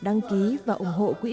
đăng ký và ủng hộ quỹ